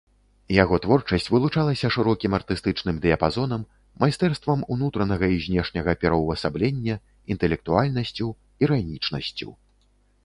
Яго творчасць вылучалася шырокім артыстычным дыяпазонам, майстэрствам унутранага і знешняга пераўвасаблення, інтэлектуальнасцю, іранічнасцю.